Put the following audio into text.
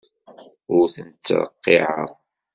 Ur tent-ttreqqiɛeɣ.